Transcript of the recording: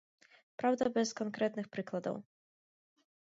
Праўда, без канкрэтных прыкладаў.